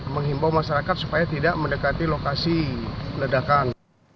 menghimbau masyarakat supaya tidak mendekati lokasi ledakan